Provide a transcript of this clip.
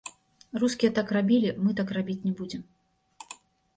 Рускія так рабілі, мы так рабіць не будзем.